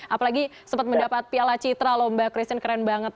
apalagi sempat mendapat piala citra loh mbak christine keren banget